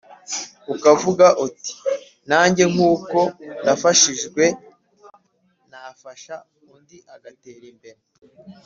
ukavuga uti nange nk’uko nafashijwe nafasha undi agatera imbere.